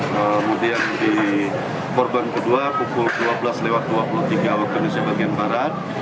kemudian di korban kedua pukul dua belas dua puluh tiga waktu indonesia bagian barat